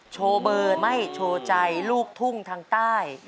โชว์เบอร์ไม่โชว์ใจลูกทุ่งทางใต้